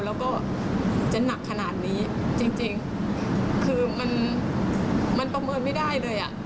แล้วก็จะหนักขนาดนี้จริงคือมันมันประเมินไม่ได้เลยอ่ะ